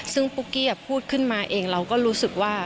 ซึ่งปุ๊กกี้พูดขึ้นมาเองเราก็รู้สึกว่า